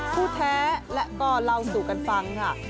ผู้แท้และก็เล่าสู่กันฟังค่ะ